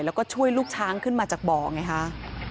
แล้วก็ช่วยลูกช้างขึ้นมาจากบ่อไงคะ